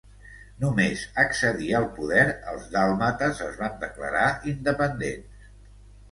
Només accedir al poder els dàlmates es van declarar independents.